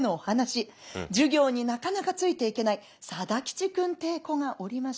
授業になかなかついていけない定吉くんってえ子がおりまして。